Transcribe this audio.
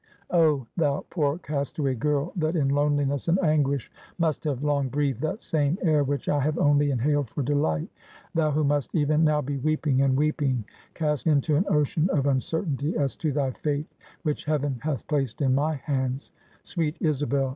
Oh! thou poor castaway girl, that in loneliness and anguish must have long breathed that same air, which I have only inhaled for delight; thou who must even now be weeping, and weeping, cast into an ocean of uncertainty as to thy fate, which heaven hath placed in my hands; sweet Isabel!